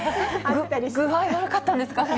具合悪かったですか？